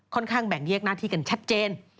ข้างแบ่งแยกหน้าที่กันชัดเจน